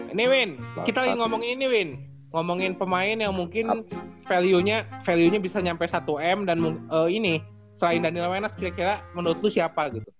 ini win kita lagi ngomongin ini win ngomongin pemain yang mungkin value nya bisa nyampe satu m dan ini selain daniel wenas kira kira menurutku siapa gitu